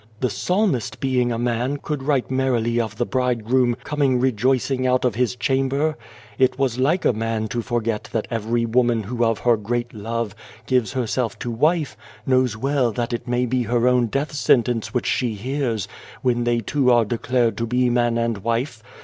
The Psalmist, being a man, could write merrily of the bridegroom coming " rejoicing out o his chamber." It was like a man to forget that every woman who of her great love, gives herself to wife, knows well that it may be her own death sentence which she hears, when they two are declared to be man and wife.